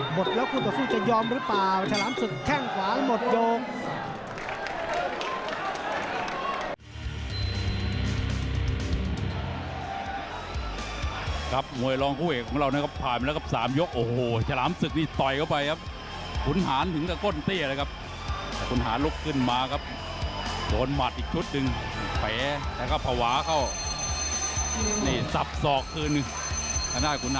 หมดแล้วคู่ต่อสู้จะยอมหรือเปล่าฉลามศึกแข้งขวาหมดโยง